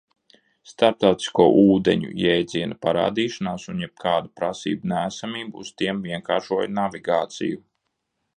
Starptautisko ūdeņu jēdziena parādīšanās un jebkādu prasību neesamība uz tiem vienkāršoja navigāciju.